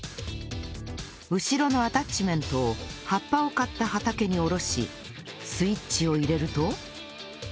後ろのアタッチメントを葉っぱを刈った畑に下ろしスイッチを入れると